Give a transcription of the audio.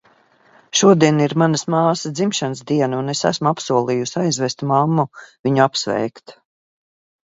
Šodien ir manas māsas dzimšanas diena, un es esmu apsolījusi aizvest mammu viņu apsveikt.